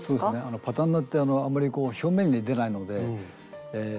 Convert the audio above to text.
パタンナーってあんまり表面に出ないのでえ